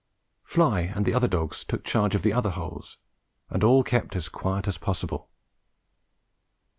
Fly and the other dogs took charge of the other holes, and all kept as quiet as possible.